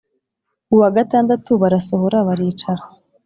Uwa gatandatu barasohora baricara